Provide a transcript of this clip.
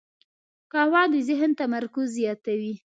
قهوه د ذهن تمرکز زیاتوي